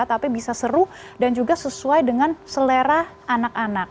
tapi bisa seru dan juga sesuai dengan selera anak anak